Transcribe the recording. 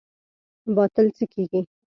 باطل څه کیږي؟